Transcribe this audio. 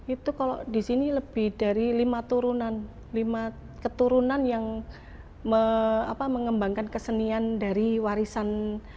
itu kalau di sini lebih dari lima turunan lima keturunan yang mengembangkan kesenian dari warisan